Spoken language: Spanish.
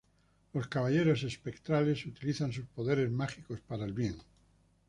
Los Caballeros Espectrales utilizan sus poderes mágicos para el bien.